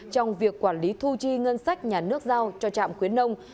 trong việc quản lý thu chi ngân sách nhà nước giao cho trạm khuyến nông